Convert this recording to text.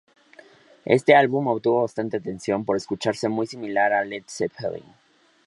Este álbum obtuvo bastante atención por escucharse muy similar a Led Zeppelin.